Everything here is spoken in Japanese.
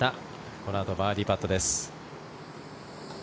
このあとバーディーパットです。